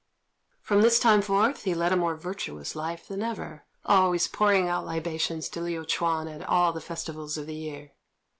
From this time forth he led a more virtuous life than ever, always pouring out libations to Liu Ch'üan at all the festivals of the year.